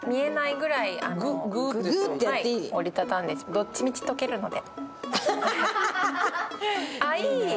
どっちみち溶けるので。